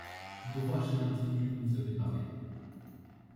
Droit chez l’individu dont vous avez parlé.